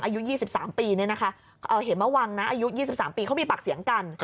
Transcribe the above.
อายุ๒๓ปีเนี่ยนะคะเห็นมาวังนะอายุ๒๓ปีเขามีปากเสียงกัน